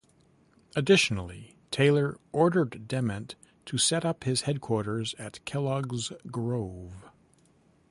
Additionally, Taylor ordered Dement to set up his headquarters at Kellogg's Grove.